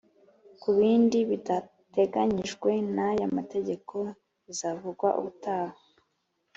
Ku bindi bidateganyijwe n aya mategeko bizavugwa ubutaha